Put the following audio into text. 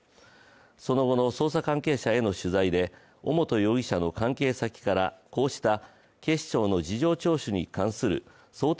その後の捜査関係者への取材で尾本容疑者の関係先からこうした警視庁の事情聴取に関する想定